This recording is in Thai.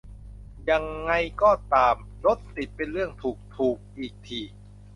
ยังไงก็ตาม "รถติดเป็นเรื่องถูก-ถูก" อีกที